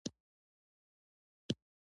تواب د ژړا لورې ته ورغی.